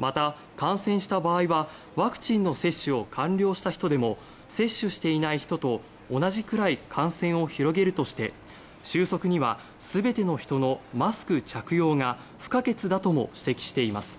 また、感染した場合はワクチンの接種を完了した人でも接種していない人と同じくらい感染を広げるとして収束には全ての人のマスク着用が不可欠だとも指摘しています。